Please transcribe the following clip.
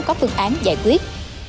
có phương án giải quyết